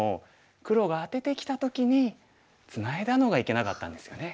黒がアテてきた時にツナいだのがいけなかったんですよね。